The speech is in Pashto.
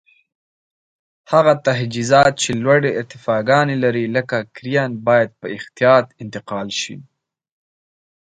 هغه تجهیزات چې لوړې ارتفاګانې لري لکه کرېن باید په احتیاط انتقال شي.